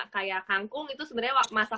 kayak kangkung itu sebenarnya masa